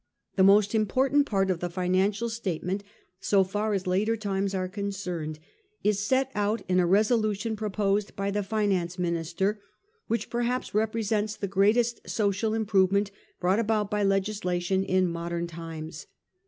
The most important part of the financial statement, so far as later times are con cerned, is set out in a resolution proposed by the finance minister, which perhaps represents the greatest social improvement brought about by legislation in modern times.